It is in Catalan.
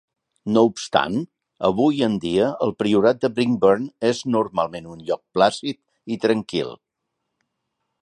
No obstant, avui en dia el priorat de Brinkburn és normalment un lloc plàcid i tranquil.